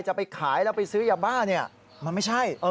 จะไปขายแล้วไปซื้อยาบ้าเนี่ยมันไม่ใช่